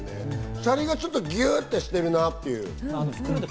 シャリがちょっとぎゅっとしてるなっていう。